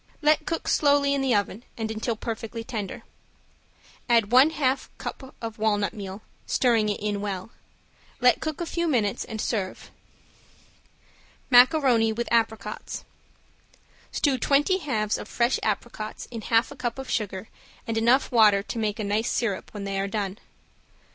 Let cook slowly in the oven and until perfectly tender; add one half cup of walnut meal, stirring it in well; let cook a few minutes, and serve. ~MACARONI WITH APRICOTS~ Stew twenty halves of fresh apricots in half a cup of sugar and enough water to make a nice sirup when they are done.